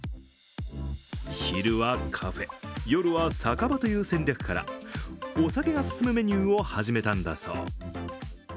昼はカフェ、夜は酒場という戦略からお酒が進むメニューを始めたんだそう。